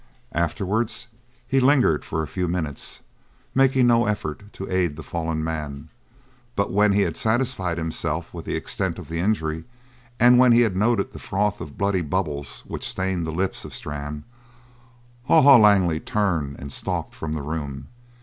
Afterwards he lingered for a few minutes making no effort to aid the fallen man, but when he had satisfied himself with the extent of the injury, and when he had noted the froth of bloody bubbles which stained the lips of Strann, Haw Haw Langley turned and stalked from the room.